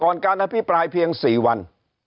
การอภิปรายเพียง๔วัน